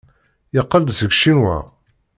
Yeqqel-d seg Ccinwa.